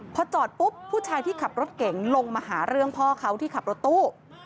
พอจอดปุ๊บผู้ชายที่ขับรถเก่งลงมาหาเรื่องพ่อเขาที่ขับรถตู้